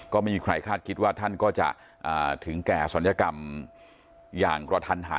ก็ไม่มีใครคาดคิดว่าท่านก็จะถึงแก่ศัลยกรรมอย่างกระทันหัน